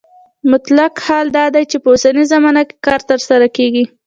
مطلق حال هغه دی چې په اوسنۍ زمانه کې کار ترسره کیږي.